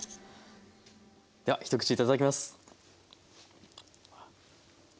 では一口頂きます。